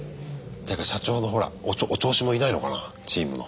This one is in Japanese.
誰か社長のほらお調子もんいないのかなチームの。